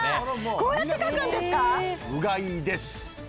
こうやって書くんですか？